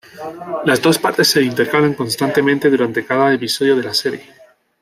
Las dos partes se intercalan constantemente durante cada episodio de la serie.